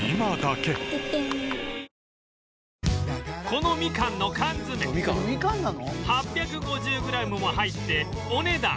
このみかんの缶詰８５０グラムも入ってお値段